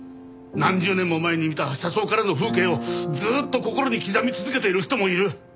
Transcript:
何十年も前に見た車窓からの風景をずーっと心に刻み続けている人もいる。